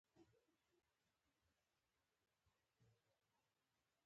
احمدشاه بابا د ژوند تر پایه ملت ته ژمن پاته سو.